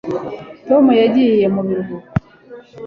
Tom yagiye mu biruhuko